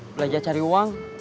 belajar cari uang